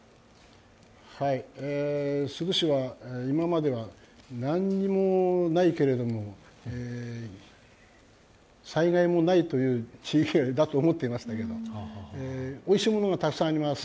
珠洲市は今までは何にもないけれども災害もないという地域だと思っていましたけど、おいしいものがたくさんあります。